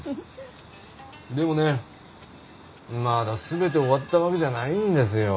でもねまだ全て終わったわけじゃないんですよ。